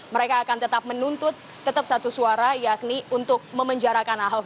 mereka akan tetap menuntut tetap satu suara yakni untuk memenjarakan ahok